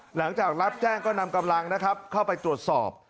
หลังจากรับแจ้งก็นำกำลังนะครับเข้าไปตรวจสอบ